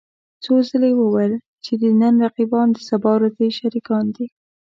څو ځله يې وويل چې د نن رقيبان د سبا ورځې شريکان دي.